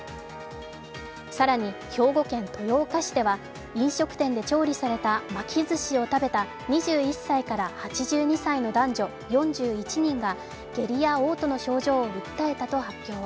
更に、兵庫県豊岡市では飲食店で調理された巻きずしを食べた２１歳から８２歳の男女４１人が下痢やおう吐の症状を訴えたと発表。